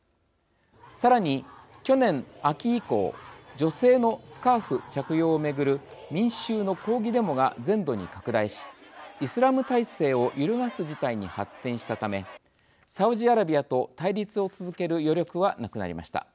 さらに去年秋以降女性のスカーフ着用を巡る民衆の抗議デモが全土に拡大しイスラム体制を揺るがす事態に発展したためサウジアラビアと対立を続ける余力はなくなりました。